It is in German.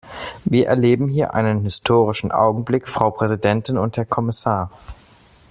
Wir erleben hier einen historischen Augenblick, Frau Präsidentin und Herr Kommissar.